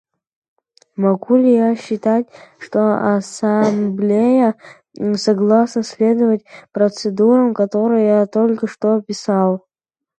Могу ли я считать, что Ассамблея согласна следовать процедурам, которые я только что описал?